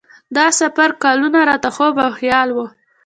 دا سفر کلونه راته خوب او خیال و.